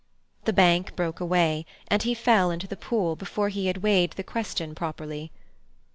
The bank broke away, and he fell into the pool before he had weighed the question properly.